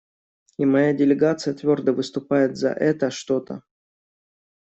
И моя делегация твердо выступает за это что-то.